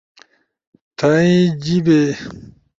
تھأئی جیِبے